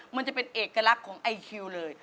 มันจะเป็นเอกลักษณ์ของไอคิวเลย